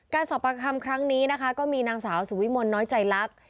สอบประคำครั้งนี้นะคะก็มีนางสาวสุวิมลน้อยใจลักษณ์